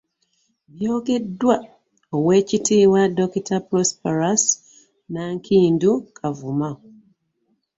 Byogeddwa Oweekitiibwa Dokita Prosperous Nankindu Kavuma.